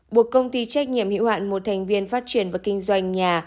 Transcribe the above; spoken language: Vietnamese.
buộc công ty trách nhiệm hiệu hạn một thành viên phát triển và kinh doanh nhà